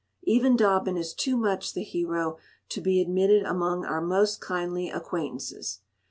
Even Dobbin is too much the hero to be admitted among our most kindly acquaintances.